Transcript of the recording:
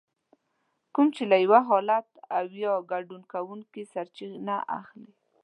کوم چې له يو حالت او يا ګډون کوونکي سرچينه اخلي.